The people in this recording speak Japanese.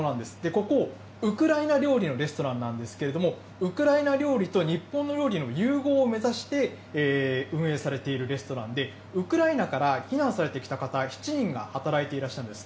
ここ、ウクライナ料理のレストランなんですけれども、ウクライナ料理と日本の料理の融合を目指して、運営されているレストランで、ウクライナから避難されてきた方７人が働いていらっしゃるんです。